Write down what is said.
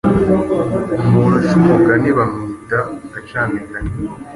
Umuntu uca umugani bamwita gacamigani